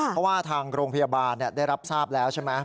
เพราะว่าทางโรงพยาบาลได้รับทราบแล้วใช่ไหม